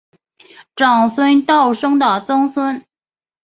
长孙道生的曾孙。